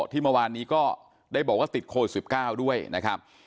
ที่เมื่อวานนี้ก็ได้บอกว่าติดโควิด๑๙ด้วยนะครับ